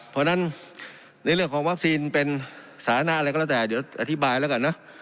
เพราะฉะนั้นในเรื่องของวัคซีนเป็นสาธารณะอะไรก็แล้วแต่เดี๋ยวอธิบายแล้วกันนะ